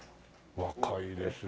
若いですね